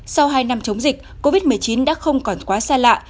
sau hai năm chống dịch covid một mươi chín đã không còn quá xa lạ